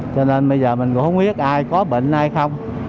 cho nên bây giờ mình cũng không biết ai có bệnh hay không